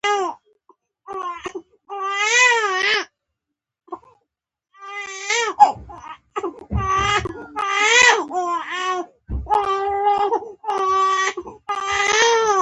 د کروندګر کار د صبر او حوصلې غوښتنه کوي.